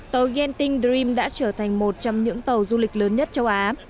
tàu genting dream đã trở thành một trong những tàu du lịch lớn nhất châu á